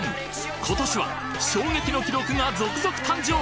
今年は衝撃の記録が続々誕生！